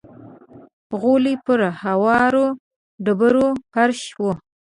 غولی پر هوارو ډبرو فرش و.